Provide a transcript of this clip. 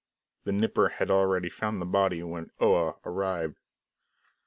The Nipper had already found the body when Oa arrived.